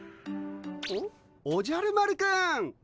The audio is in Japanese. おじゃる丸くん。